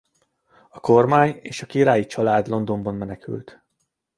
A kormány és a királyi család Londonba menekült.